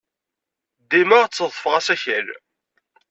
Dima tteḍḍfeɣ asakal.